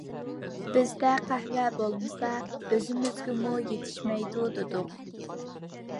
-بىزدە قەھۋە بولمىسا، ئۆزىمىزگىمۇ يېتىشمەيدۇ، دېدۇق.